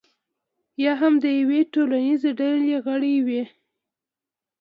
یا هم د یوې ټولنیزې ډلې غړی وي.